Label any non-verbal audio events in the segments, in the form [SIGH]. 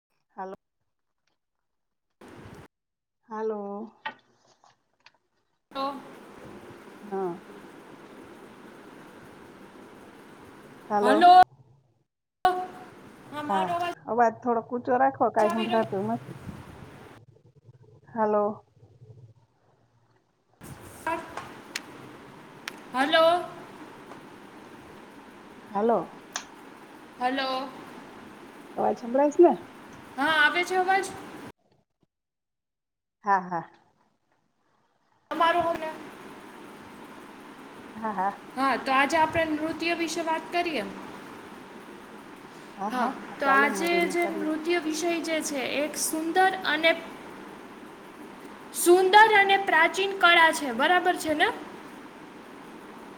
[UNINTELLIGIBLE] હાલો તો હા હાલો હા હા અવાજ થોડો ઊંચો રાખો કઈ આવી રહ્યો સંભળતું નથી હાલો છે? હલો હલો હલો અવાજ છંભળ છે ને હા આપ છે અમાજ હા હા તમારોને હા તો આજે આપણે નૃત્ય વિશે વાત કરીએ એમ હા તો આજે જે નૃત્ય વિષય જે છે એક સુંદર અને સુંદર અને પ્રાચીન કળા છે બરાબર છે ને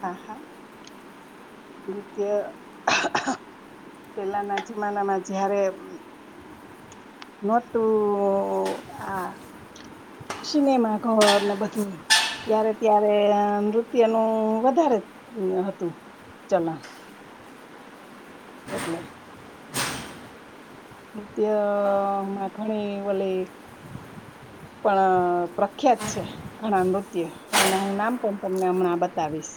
હા હા નૃત્ય પેલાના જમાનામાં જયારે ન તુ આ સિનેમા ઘર ને બધું ત્યારે ત્યારે નૃત્ય નું વધારે હતું ચલાણ એટલે નૃત્યમાં ઘણી વલી [INAUDIBLE] પણ પ્રખ્યાત છે ઘણા નૃત્ય એના હું નામ પણ તમને હમણાં બતાવીશ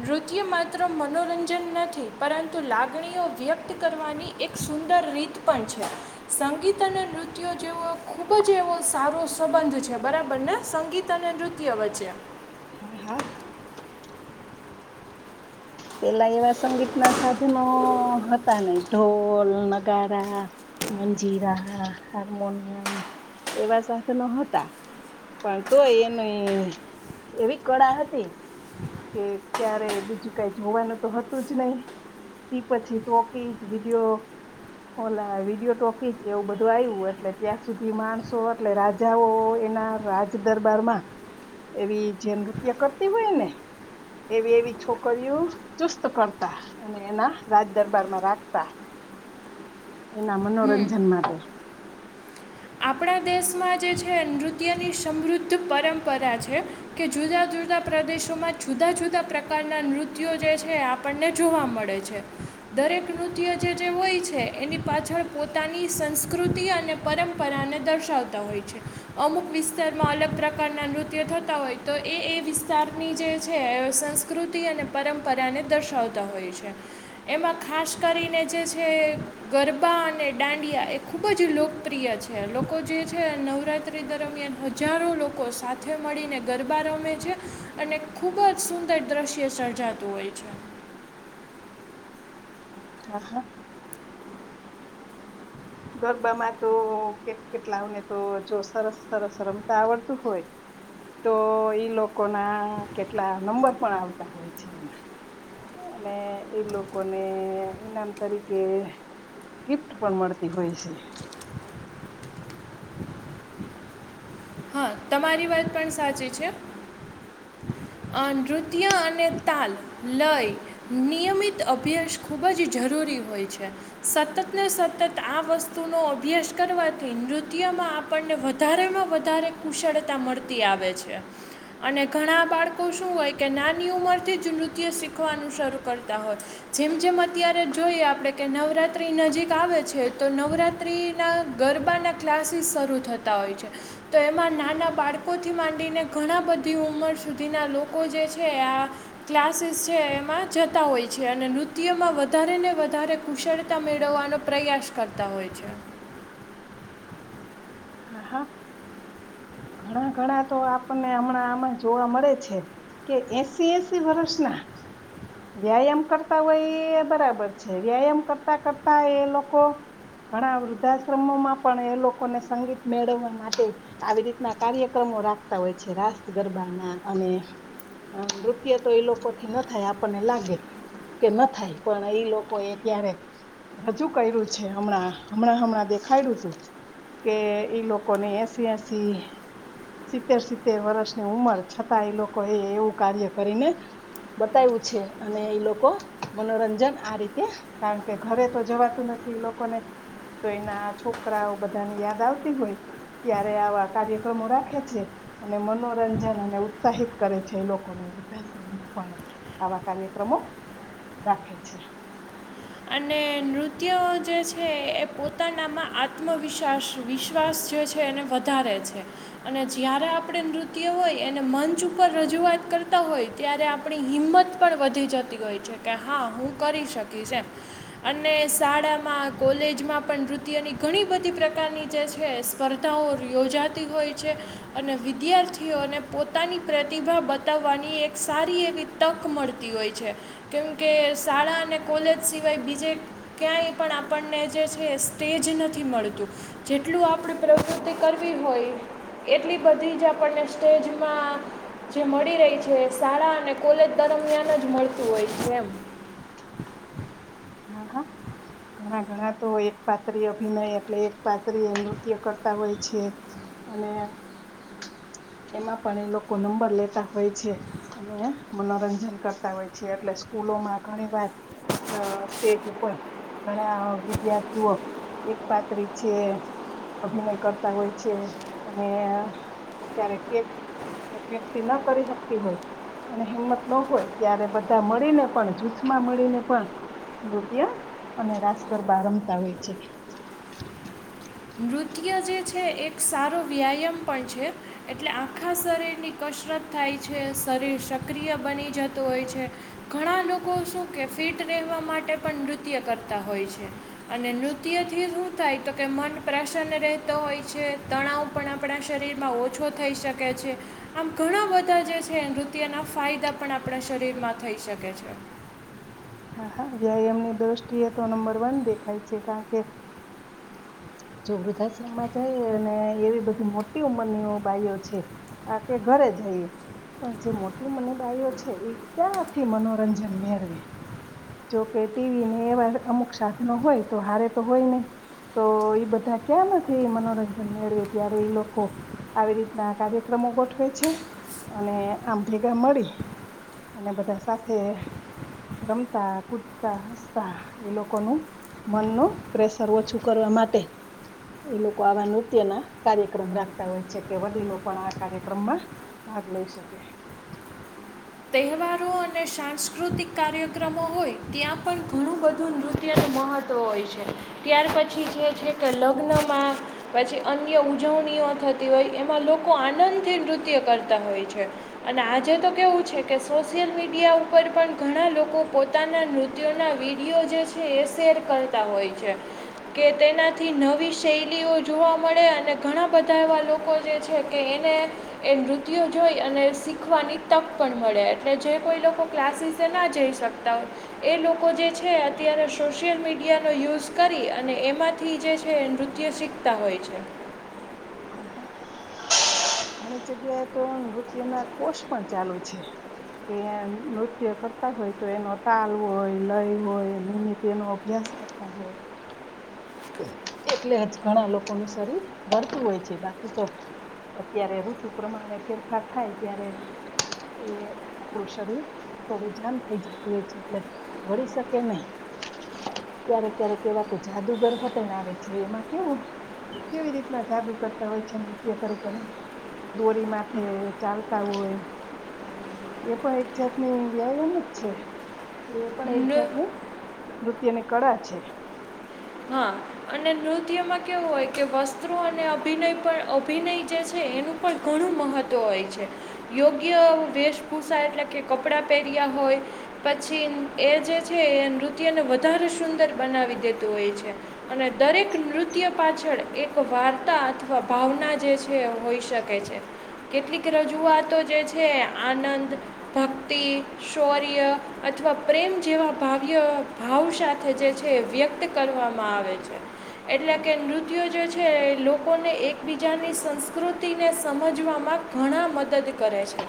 નૃત્ય માત્ર મનોરંજન નથી પરંતુ લાગણીઓ વ્યક્ત કરવાની એક સુંદર રીત પણ છે સંગીત અને નૃત્યો જેવો ખૂબ જ એવો સારો સંબંધ બરાબર ને સંગીત અને નૃત્ય વચ્ચે હા હા પેલા એવા સંગીત ના સાધનો હતા નહીં ઢોલ નગારા મંજીરા હાર્મોનિયમ એવા સાધનો હતા પણ તો એની એવી કળા હતી કે ક્યારે બીજું કઈ જોવાનું તો હતું જ નહી તે પછી ટોકીજ વિડીયો ઓલા વિડિયો ટોકી જ એવું બધું આવ્યું એટલે ત્યાં સુધી માણસો એટલે રાજાઓ ના રાજદરબાર માં એવી જે નૃત્ય કરતી હોય ને એવી એવી છોકરી છોકરીયો ચુસ્ત કરતા અને એના રાજ દરબારમાં રાખતા એના મનોરંજન માટે આપણા દેશમાં જે છે નૃત્યની સમૃદ્ધ પરંપરા છે કે જુદા જુદા પ્રદેશોમાં જુદા જુદા પ્રકારના નૃત્યો જે છે આપણને જોવા મળે છે દરેક નૃત્ય જે જે હોય છે એની પાછળ પોતાની સંસ્કૃતિ અને પરંપરા પરાને દર્શાવતા હોય છે અમુક વિસ્તારમાં અલગ પ્રકારના નૃત્ય થતા હોય તો એ એક વિસ્તારની જે છે સંસ્કૃતિ અને પરંપરાને દર્શાવતા હોય છે એ એમાં ખાસ કરીને જે છે ગરબા અને દાંડિયા એ ખૂબ જ લોકપ્રિય છે લોકો જે છે નવરાત્રી દરમિયાન હજારો લોકો સાથે મળીને ગરબા રમે છે અને ખુબ જ સુંદર દ્રશ્ય સર્જાતું હોય છે હા હા ગરબામાં તો કેટ કેટલાઓને તો જો સરસ સરસ રમતા આવડતું હોય તો ઈ લોકોના કેટલા નંબર પણ આવતા હોય છે એના અને એ લોકોને ઈનામ તરીકે ગિફ્ટ પણ મળતા હોય છે હા તમારી વાત પણ સાચી છે અ નૃત્ય અને તાલ લઈ નિયમિત અભ્યાસ ખૂબ જ જરૂરી જરૂરી હોયે છે સતત ને સતત આ વસ્તુનો અભ્યાસ કરવાથી નૃત્યમાં આપણને વધારેમાં વધારે કુશળતા મળતી આવે છે અને ઘણા બાળકો શું હોય કે નાની ઉમરથી જ નૃત્ય શીખવાનું શરૂ કરતા હોય જેમ જેમ અત્યારે જોઈએ આપણે કે નવરાત્રી નજીક આવે છે તો નવરાત્રિના ગરબાના ક્લાસીસ શરૂ થતા હોય છે તો એમાં નાના બાળકોથી માંડીને ઘણા બધી ઉંમર સુધીના લોકો જે છે આ ક્લાસ ક્લાસીસ છે એમાં જતા હોય છે અને નૃત્યમાં વધારે ને વધારે કુશળતા મેળવવાનો પ્રયાસ કરતા હોય છે હા હા ઘણા ઘણા તો આપણને હમણાં આમાં જોવા મળે છે કે એંસી-એંસી વર્ષના વ્યાયામ કરતા હોય એ બરાબર છે વ્યાયામ કરતા કરતા એ લોકો ઘણા વૃદ્ધાશ્રમો માં પણ એ લોકોને સંગીત મેળવવા માટે આવી રીતના કાર્યક્રમો રાખતા હોય છે, રાસ ગરબાના અને હા, નૃત્ય તો એ લોકો થી ના થાય આપણને લાગે કે ન થાય પણ એઈ લોકો એ ત્યારે હજુ કર્યું છે, હમણાં હમણાં હમણાં દેખાડ્યું તું કે એ લોકોને એંસી-એંસી સિત્તેર સિત્તેર વર્ષની ઉંમર છતાં એ લોકો એ એવું કાર્ય કરીને બતાયું છે, અને એ લોકો મનોરંજન આ રીતે કારણ કે ઘરે તો જવાતું નથી લોકોને તો એના છોકરાઓ બધા ની યાદ આવતી હોય ત્યારે આવા કાર્યક્રમો રાખે છે, અને મનોરંજન અને ઉત્સાહિત કરે છે, છે, લોકોને વૃદ્ધાશ્રમમાં પણ આવા કાર્યક્રમો રાખે છે, અને નૃત્ય જે છે, એ પોતાનામાં આત્મવિશ્વાસ વિશ્વાસ છે એને વધારે છે અને જ્યારે આપણે નૃત્ય હોય એને મંચ ઉપર રજૂઆત કરતા હોય ત્યારે આપણી હિંમત પણ વધી જતી હોય છે, કે હા હું કરી શકીશ એમ [UNINTELLIGIBLE] અને શાળામાં કોલેજમાં પણ નૃત્યની ઘણી બધી પ્રકારની જે છે, સ્પર્ધાઓ યોજાતી હોય છે અને વિદ્યાર્થીઓને પોતાની પ્રતિભા બતાવવાની સારી એવી તક મળતી હોય છે, કેમ કે શાળા અને કોલેજ સિવાય બીજે ક્યાંય પણ આપણને જે છે સ્ટેજ નથી મળતું જેટલું. આપ પ્રવૃતિ કરવી હોય એટલી બધી જ આપણને સ્ટેજમાં જે મળી રહી છે, શાળા અને કોલેજ દરમિયાન જ મળતું હોય છે એમ [UNINTELLIGIBLE] હા હા ઘણા ઘણા તો એક પાત્રી અભિનય એટલે એક પાત્રી નૃત્ય કરતા હોય છે. અનેને એમાં પણ એ લોકો નંબર લેતા હોય છે અને મનોરંજન કરતા હોય છે એટલે સ્કૂલોમાં ઘણી વાર અ સ્ટેજ ઉપર ઘણા વિદ્યાર્થીઓ એક પાત્રી છે, અભિનય કરતા હોય છે અને ક્યારેક કે, એક વ્યક્તિ ન કરી શકતી હોય, અને હિંમત ન હોય ત્યારે બધા મળીને પણ જૂથમાં મળીને પણ નૃત્ય અને રાસ ગરબા રમતા હોય છે, [UNINTELLIGIBLE] નૃત્ય જે છે એક સારો વ્યાયામ પણ છે, એટલે આખા શરીરની કશ થાય છે, શરીર સક્રિય બની જતું હોય છે, ઘણા લોકો શું કે ફિટ વા માટે પણ નૃત્ય કરતા હોય છે, અને નૃત્યથી શું થાય તો કે મન પ્રસન્ન રહેતો હોય છે, તણાવ પણ આપણા શરીરમાં ઓછો થઈ શકે છે આમ ઘણા બધા જે છે, નૃત્યના ફાયદા પણ આપણા શરીરમાં થઈ શકે છે. હા હા વ્યાયામ ની દ્રષ્ટિએ તો નંબર વન દેખાય છે, કારણ કે જો વૃદ્ધાશ્રમમાં જાય ને એવી બધી મોટી ઉંમરની બાાઈઓ છે, આ કે ઘર જઈ પણ જે મોટી મનીબાઈઓ છે, એ ક્યાંથી મનોરંજન મેળવે જોકે ટીવી ને એવા અમુક સાધનો હોય તો હારે તો હોય, નહી તો બધા ક્યાં નથી મનોરંજન મેળવે ત્યારે એ લોકો આવી રીતના કાર્યક્રમો ગોઠવે છે, અને આમ ભેગા મળી અને બધા સાથે રમતા કૂદતા હસતા એ લોકોનું મન ન પ્રેશર ઓછું કરવા માટે [INAUDIBLE] એ લોકો આવા નૃત્ય ના કાર્યક્રમ રાખતા હોય છે કે વડીલો પણ આ કાર્યક્રમમાં ભાગ લે શકે. [UNINTELLIGIBLE] તહેવારો અને સાંસ્કૃતિક કાર્યક્રમો હોય ત્યાં પણ ઘણું બધું નૃત્ય મહત્વ હોય છે ત્યાર પછી જે છે કે લગ્નમાં પછી અન્ય ઉજવણી [UNINTELLIGIBLE] હોય એમાં લોકો આનંદ થી નૃત્ય કરતા હોય છે અને આજે તો કેવું છે કે સોશિયલ મીડિયા ઉપર પણ ઘણા લોકો પોતાના નૃત્યોના વિડીિયો જે છે એ સે ર કરતા હોય છે. કે તેનાથી નવી શૈલીઓ જોવા મળે અને ઘણા બધા એવા લોકો જે છે કે એને એ નૃત્યો જોઈ અને શીખવાની તક પણ મળે એટલે જે કોઈ લોકો ક્લાસીસે ના જઈ શકતા હોય એ લોકો જે છે અત્યારે સોશિયલ મીડિયાનો યુઝ કરી અને એમાંથી જે છે નૃત્ય શીખતા હોય છે. [UNINTELLIGIBLE] ઘણી જગ્યાએ તો રૂપિયા ના કોષ પણ ચાલુ છે. કે નૃત્ય કરતા હોય તો એનો તાલ હોય લય હોય નિમિત્ત એનો અભ્યાસ કરતા હોય. હા એટલે જ ઘણા લોકોનું શરીર ભરતું હોય છે બાકી તો અત્યારે ઋતુ પ્રમાણે ફેરફાર થાય ત્યારે એ આપણું શરીર થોડું જામ થઈ જતું હોય છે એટલે વળી શકે નહી. ક્યારેક ક્યારેક એવા તો જાદુગર હોતા ને આવે છે એમાં કેવું કેવી રીતના જાદુ કરતા હોય છે નૃત્ય કરી કરીને. દોરી માથે ચાલતા હોય. એ પણ એક જાતની વ્યાયામ જ છે એ પણ એક નૃ જાતની નૃત્યની કળા છે. હા અને નૃત્યમાં કેવું હોય કે વસ્ત્રો અને અભિનય પણ અભિનય જે છે એનું પણ ગુણ ઘણું મહત્વ હોય છે યોગ્ય વેશભૂષા એટલે કે કપડા પહેર્યા હોય. પછી એ જે છે એ નૃત્યને વધારે સુંદર બનાવી દેતું હોય છે. અને દરેક નૃત્ય પાછળ એક વાર્તા અથવા ભાવના જે છે હોઈ શકે છે કેટલીક રજૂ વાતો જે છે આનંદ, ભક્તિ, શૌર્ય અથવા પ્રેમ જેવ ભાવ્ય ભાવ સાથે જે છે વ્યક્ત કરવામાં આવે છે. એટલે કે નૃત્યો જે છે લોકોને એકબીજાની સંસ્કૃતિને સમજવામાં ઘણા મદદ કરે છે.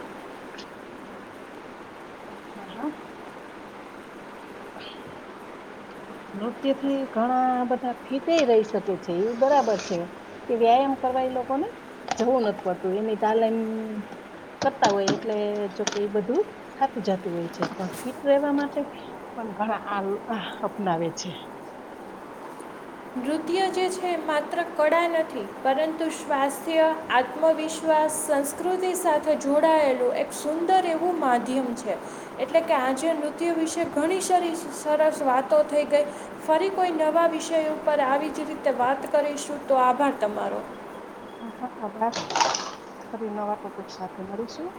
હા હા. નૃત્યથી ઘણા બધા ફીતે રહી શકે છે એ બરાબર છે કે વ્યાયામ કર એ લોકો ને જવું નથી પડતું એની તાલેમ કરતા હોય એટલે જોકે એ બધું થતું જતું હોય છે પણ ફિટ રહેવા માટે ઘણા આ અપનાવે છે. નૃત્ય જે છે માત્ર કળા નથી પરંતુ સ્વાસ્થ્ય આત્મવિશ્વાસ સંસ્કૃતિ સાથે જોડાયેલું એક સુંદર એવું માધ્યમ છે. એટલે કે આજે નૃત્યો વિશે ઘણી સ સરસ વાતો થઈ ગઈ ફરી કોઈ નવા વિષયો પર આવી જ રીતે વાત કરીશું તો આભાર તમારો. હા હા આ વાત ફરી નવા ટોપિક સાથે મળીશું.